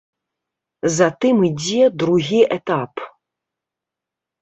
Затым ідзе другі этап.